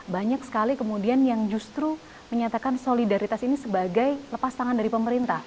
banyak sekali kemudian yang justru menyatakan solidaritas ini sebagai lepas tangan dari pemerintah